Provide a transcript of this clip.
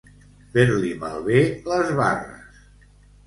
Fer-li malbé les barres.